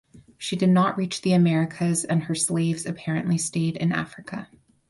She did not reach the Americas and her slaves apparently stayed in Africa.